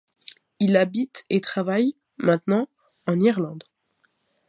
Il habite et travaille, maintenant, en Irlande.